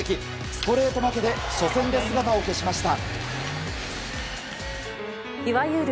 ストレート負けで初戦で姿を消しました。